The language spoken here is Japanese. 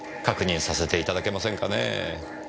確認させていただけませんかねぇ。